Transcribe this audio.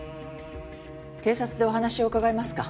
警察でお話を伺えますか？